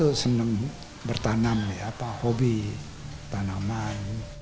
itu senang bertanam ya hobi tanaman